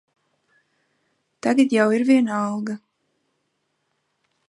Tagad jau ir vienalga.